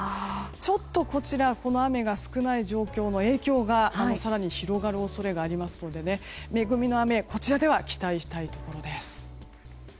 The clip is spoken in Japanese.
ちょっと、こちら雨が少ない状況の影響が更に広がる恐れがありますので恵みの雨、こちらでは期待したいところです。